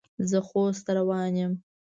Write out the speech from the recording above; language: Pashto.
زه خوست ته روان یم.